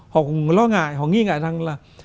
họ cũng lo ngại họ nghi ngại rằng là